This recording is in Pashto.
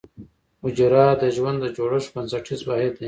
حجره د ژوند د جوړښت بنسټیز واحد دی